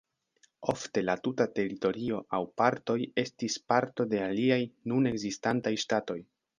Ofte la tuta teritorio aŭ partoj estis parto de aliaj nun ekzistantaj ŝtatoj.